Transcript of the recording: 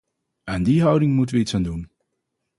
Aan die houding moeten we iets aan doen.